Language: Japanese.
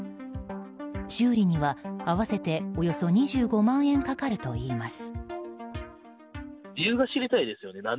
修理には合わせておよそ２５万円かかるといいます。